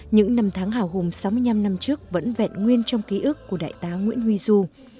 những năm tháng hào hùng sáu mươi năm năm trước vẫn vẹn nguyên trong ký ức của đại tá nguyễn huy du